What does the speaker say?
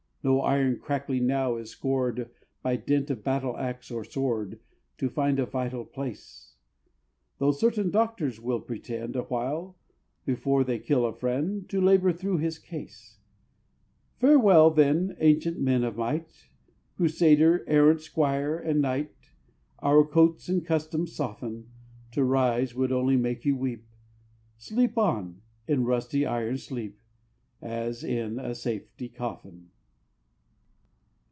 No iron crackling now is scored By dint of battle axe or sword, To find a vital place Though certain doctors still pretend, Awhile, before they kill a friend, To labor through his case. Farewell, then, ancient men of might! Crusader, errant squire, and knight! Our coats and customs soften; To rise would only make you weep Sleep on, in rusty iron sleep, As in a safety coffin!